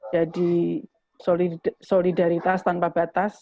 jadi solidaritas tanpa batas